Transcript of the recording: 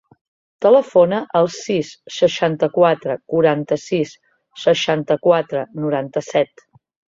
Telefona al sis, seixanta-quatre, quaranta-sis, seixanta-quatre, noranta-set.